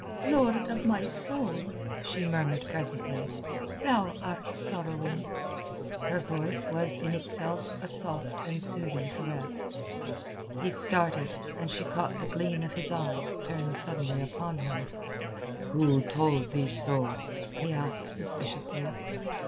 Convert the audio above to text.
"Lord of my soul," she murmured presently, "thou art sorrowing." Her voice was in itself a soft and soothing caress. He started, and she caught the gleam of his eyes turned suddenly upon her. "Who told thee so?" he asked suspiciously.